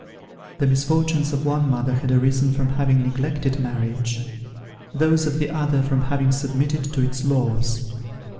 The misfortunes of one mother had arisen from having neglected marriage; those of the other from having submitted to its laws.